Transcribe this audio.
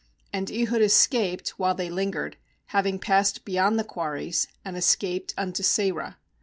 26And Ehud escaped while they lingered, having passed beyond the quarries, and escaped unto Seirah.